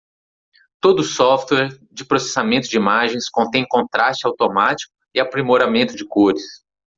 Todo software de processamento de imagens contém contraste automático e aprimoramento de cores.